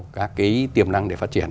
các tiềm năng để phát triển